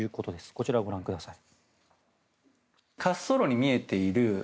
こちらご覧ください。